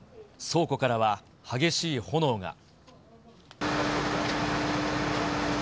倉庫からは激しい炎が。